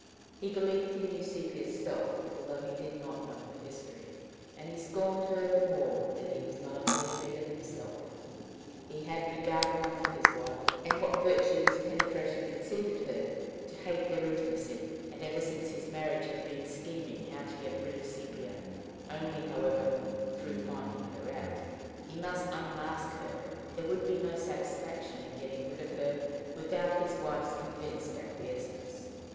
He believed he knew Sepia's self, although he did not yet know her history; and he scorned her the more that he was not a hair better himself. He had regard enough for his wife, and what virtue his penetration conceded her, to hate their intimacy; and ever since his marriage had been scheming how to get rid of Sepia only, however, through finding her out: he must unmask her: there would be no satisfaction in getting rid of her without his wife's convinced acquiescence.